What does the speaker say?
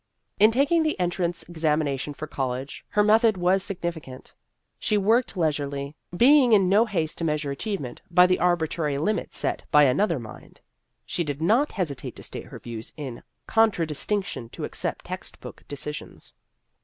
In taking the entrance examination for college, her method was significant. She worked leisurely, being in no haste to measure achievement by the arbitrary limit set by another mind. She did not hesitate to state her views in contradis tinction to accepted text book decisions.